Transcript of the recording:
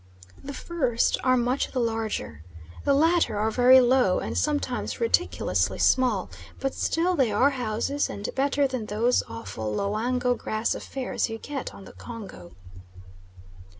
The first are much the larger. The latter are very low, and sometimes ridiculously small, but still they are houses and better than those awful Loango grass affairs you get on the Congo.